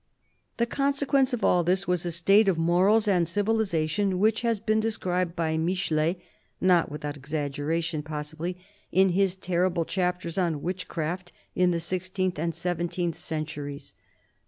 The consequence of all this was a state of morals and civilisation which has been described by Michelet— not without exaggeration, possibly— in his terrible chapters on witchcraft in the sixteenth and seventeenth centuries.